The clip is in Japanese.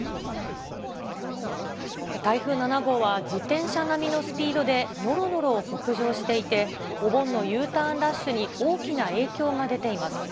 台風７号は、自転車並みのスピードで、のろのろ北上していて、お盆のＵターンラッシュに大きな影響が出ています。